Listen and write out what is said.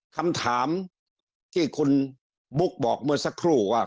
คำถามที่คุณบุ๊กบอกเมื่อสักครู่ว่า